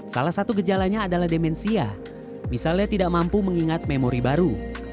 salah satu gejalanya adalah demensia misalnya tidak mampu mengingat memori baru